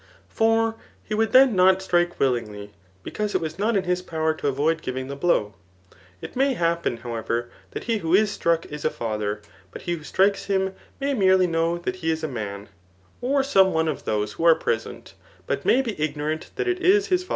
For he would then not strike willingly, because it was not in his power to avoid givmg the blow. It may hap pen, however, that he who is struck is a &ther ; but he who strikes him may merely know that he is a man, or some one of those who are present, but may be ignorant that it is his fath^.